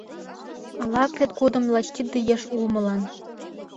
...Ала акрет годым лач тиде еш улмылан